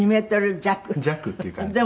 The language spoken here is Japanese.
弱っていう感じで。